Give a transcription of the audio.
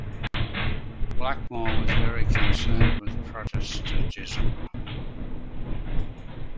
Blackmore was very concerned with Protestantism.